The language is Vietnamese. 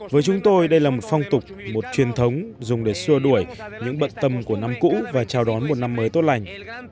với chúng tôi đây là một phong tục một truyền thống dùng để xua đuổi những bận tâm của năm cũ và chào đón một năm mới tốt lành